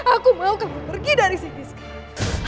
aku mau kamu pergi dari sini sekarang